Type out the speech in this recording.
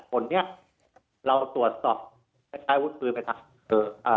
ต้นเนี้ยเราตรวจสอบแป้วุธปืนไปทำเอ่อ